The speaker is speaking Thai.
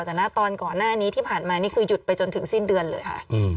แต่ตอนก่อนหน้านี้ที่ผ่านมานี่คือหยุดไปจนถึงสิ้นเดือนเลยค่ะ